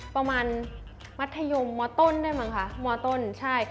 ประมาณมัธยมมต้นได้มั้งคะมต้นใช่